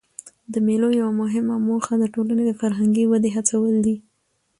د مېلو یوه مهمه موخه د ټولني د فرهنګي ودي هڅول دي.